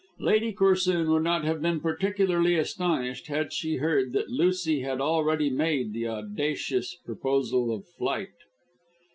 Lady Corsoon would not have been particularly astonished had she heard that Lucy had already made the audacious proposal of flight.